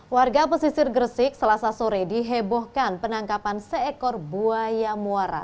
warga pesisir gresik selasa sore dihebohkan penangkapan seekor buaya muara